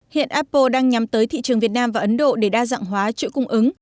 hiện apple đang nhắm tới thị trường việt nam và ấn độ để đa dạng hóa chuỗi cung ứng